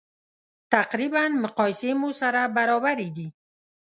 تقریبا مقایسې مو سره برابرې دي.